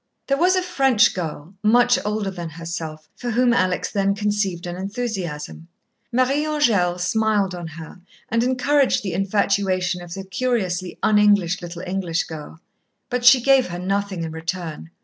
There was a French girl, much older than herself, for whom Alex then conceived an enthusiasm. Marie Angèle smiled on her and encouraged the infatuation of the curiously un English little English girl. But she gave her nothing in return.